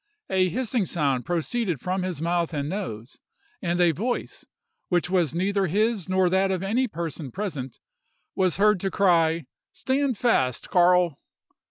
A hissing sound proceeded from his mouth and nose, and a voice, which was neither his nor that of any person present, was heard to cry, "Stand fast, Carl!"